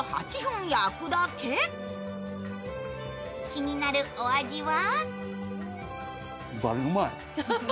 気になるお味は？